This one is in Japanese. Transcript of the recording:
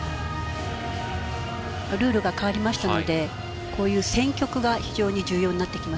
ルールが変わりましたのでこういう選曲が非常に重要になってきますので。